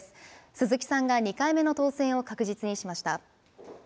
鈴木さんが２回目の当選を確実にしました。